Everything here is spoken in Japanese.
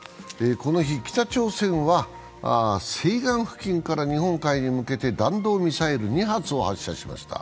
この日、北朝鮮は、西岸付近から日本海に向けて弾道ミサイル２発を発射しました。